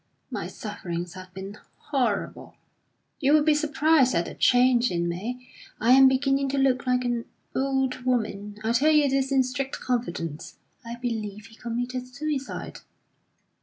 My sufferings have been horrible! You will be surprised at the change in me; I am beginning to look like an old woman. I tell you this in strict confidence. _I believe he committed suicide.